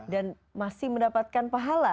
dan masih mendapatkan pahala